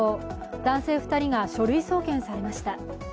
男性２人が書類送検されました。